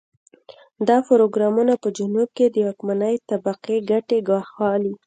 دا پروګرامونه په جنوب کې د واکمنې طبقې ګټې ګواښلې.